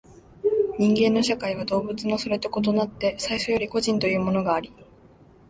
人間の社会は動物のそれと異なって最初より個人というものがあり、